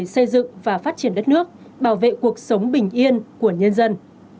xây dựng và phát triển đất nước bảo vệ cuộc sống bình yên của nhân dân